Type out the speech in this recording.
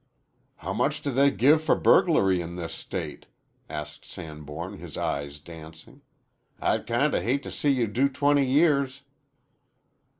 "How much do they give for burglary in this state?" asked Sanborn, his eyes dancing. "I'd kinda hate to see you do twenty years."